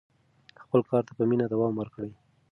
خپل کار ته په مینه دوام ورکړه.